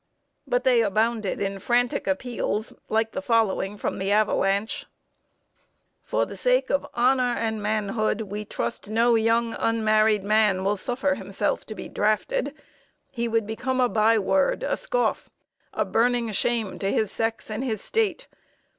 But they abounded in frantic appeals like the following from The Avalanche: [Sidenote: EXTRACTS FROM REBEL NEWSPAPERS.] "For the sake of honor and manhood, we trust no young unmarried man will suffer himself to be drafted. He would become a by word, a scoff, a burning shame to his sex and his State.